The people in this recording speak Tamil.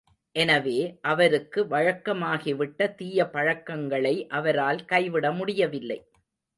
எனவே, அவருக்கு வழக்கமாகிவிட்ட தீய பழக்கங்களை அவரால் கைவிட முடியவில்லை.